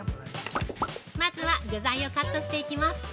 まずは、具材をカットしていきます！